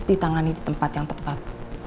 ditangani di tempat yang tepat